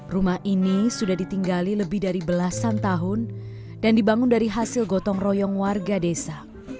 rumah ini sudah ditinggali lebih dari belasan tahun dan dibangun dari hasil gotong royong warga desa